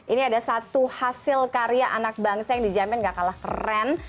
ini ada satu hasil karya anak bangsa yang dijamin gak kalah keren